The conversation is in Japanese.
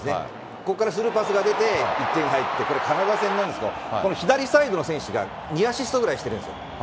ここからスルーパスが出て１点入って、これ、カナダ戦なんですが、この左サイドの選手が、２アシストぐらいしてるんですよ。